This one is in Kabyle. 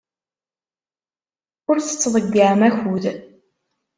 Ur tettḍeyyiɛem akud.